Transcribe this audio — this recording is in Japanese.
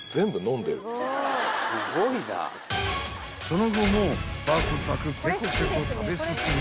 ［その後もパクパクペコペコ食べ進め］